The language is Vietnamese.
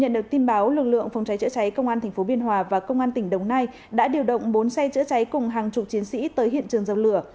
nhận được tin báo lực lượng phòng cháy chữa cháy công an tp biên hòa và công an tỉnh đồng nai đã điều động bốn xe chữa cháy cùng hàng chục chiến sĩ tới hiện trường dập lửa